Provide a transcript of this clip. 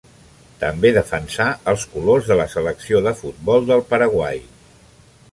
També defensà els colors de la selecció de futbol del Paraguai.